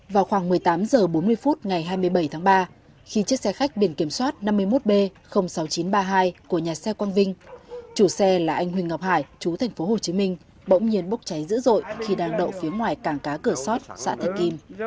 vào khoảng một mươi tám h bốn mươi phút ngày hai mươi bảy tháng ba khi chiếc xe khách biển kiểm soát năm mươi một b sáu nghìn chín trăm ba mươi hai của nhà xe quang vinh chủ xe là anh huỳnh ngọc hải chú tp hcm bỗng nhiên bốc cháy dữ dội khi đang đậu phía ngoài cảng cá cửa sót xã thạch kim